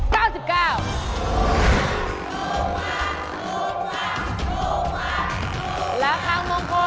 ๑บาท